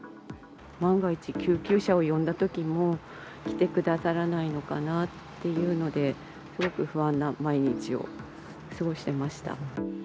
万が一救急車を呼んだときも、来てくださらないのかなっていうので、すごく不安な毎日を過ごしてました。